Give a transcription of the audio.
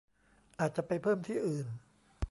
อาจจะไปเพิ่มที่อื่น